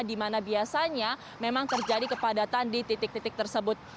di mana biasanya memang terjadi kepadatan di titik titik tersebut